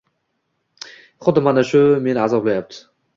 Xuddi mana shu meni azoblayapti